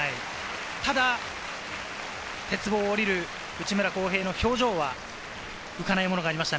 ただ鉄棒を下りる内村航平の表情は浮かないものがありました。